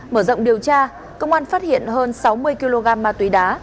mở rộng điều tra công an phát hiện hơn sáu mươi kg ma túy đá